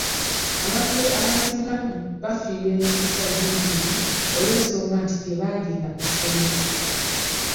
Abantu abasinga bafiirwa emikisa gy'emirimu olw'ensonga nti tebagenda ku ssomero.